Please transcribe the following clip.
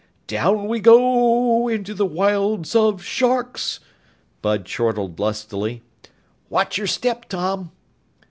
"Down we go, into the wilds of sharks!" Bud chortled lustily. "Watch your step, Tom."